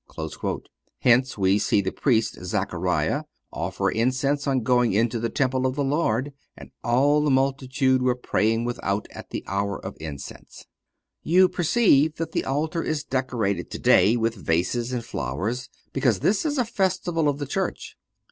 (430) Hence we see the Priest Zachariah "offer incense on going into the temple of the Lord. And all the multitude were praying without at the hour of incense."(431) You perceive that the altar is decorated today with vases and flowers because this is a festival of the Church.